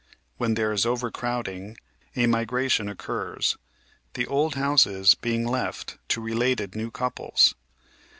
When there is overcrowding a mi gration occurs, the old houses being left to related new couples.